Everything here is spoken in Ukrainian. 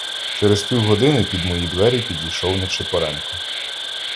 Через півгодини під мої двері підійшов Нечипоренко.